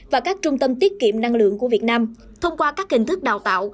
và các trung tâm tiết kiệm năng lượng của việt nam thông qua các hình thức đào tạo